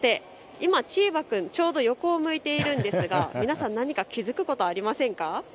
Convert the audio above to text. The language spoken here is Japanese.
今ちょうど横を向いていますが皆さん何か気付くことはありませんか。